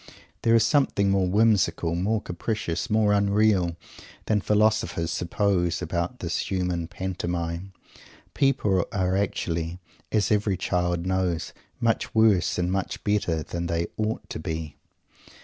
There is something more whimsical, more capricious, more unreal, than philosophers suppose about this human pantomime. People are actually as every child knows much worse and much better than they "ought" to be.